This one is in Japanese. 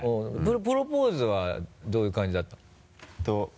プロポーズはどういう感じだったの？